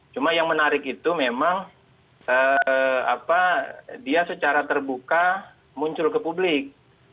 cuma yang menarik itu memang dia secara terbuka muncul ke publik